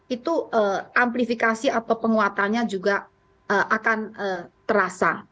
itu amplifikasi atau penguatannya juga akan terasa